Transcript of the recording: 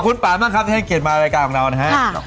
ขอบคุณป๊ามากครับที่ให้เกียรติมารายการของเรานะครับ